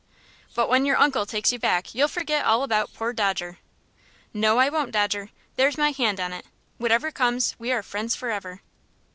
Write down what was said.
"But when your uncle takes you back you'll forget all about poor Dodger." "No, I won't, Dodger. There's my hand on it. Whatever comes, we are friends forever."